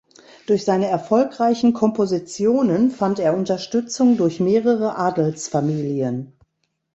Durch seine erfolgreichen Kompositionen fand er Unterstützung durch mehrere Adelsfamilien.